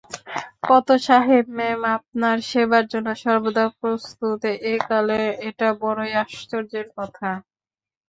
কত সাহেব-মেম আপনার সেবার জন্য সর্বদা প্রস্তুত! একালে এটা বড়ই আশ্চর্যের কথা।